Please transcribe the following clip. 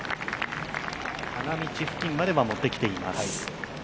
付近まではもってきています。